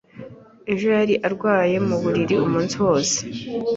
Ejo yari arwaye mu buriri umunsi wose.